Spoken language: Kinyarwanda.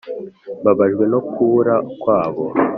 mbabajwe no kubura kwabo